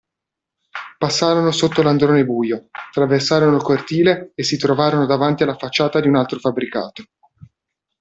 Passarono sotto l'androne buio, traversarono il cortile e si trovarono davanti alla facciata di un altro fabbricato.